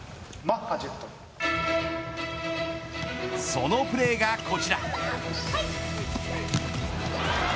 そのプレーがこちら。